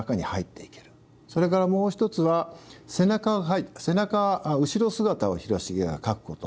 それからもう一つは背中描いて背中後ろ姿を広重が描くこと。